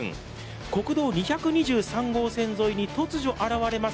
国道２２３号線沿いに突如現れます